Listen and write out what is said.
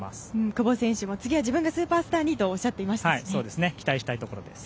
久保選手も次は自分がスーパースターにとおっしゃっていました。